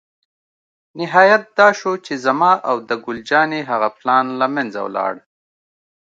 نهایت دا شو چې زما او د ګل جانې هغه پلان له منځه ولاړ.